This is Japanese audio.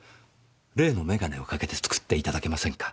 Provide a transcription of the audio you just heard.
例の眼鏡をかけて作っていただけませんか？